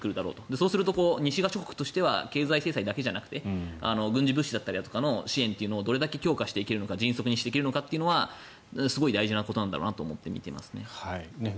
そうすると、西側諸国としては経済制裁だけじゃなくて軍事物資の支援などもどれだけ強化していけるのか迅速にできるのかというのはすごい大事なことなんだろうと思って見ていますね。